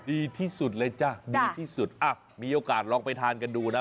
ดีที่สุดเลยจ้ะดีที่สุดอ่ะมีโอกาสลองไปทานกันดูนะ